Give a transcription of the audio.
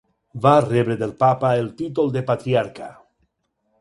Va rebre del papa el títol de Patriarca.